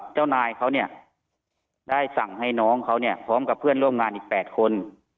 เจ้านายเขาเนี่ยได้สั่งให้น้องเขาเนี่ยพร้อมกับเพื่อนร่วมงานอีก๘คน